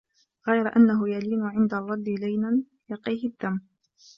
غَيْرَ أَنَّهُ يَلِينُ عِنْدَ الرَّدِّ لِينًا يَقِيهِ الذَّمَّ